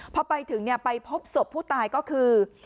พอไปถึงไปพบศพผู้ตายก็คือ